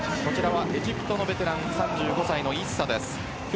エジプトのベテラン３５歳のイッサです。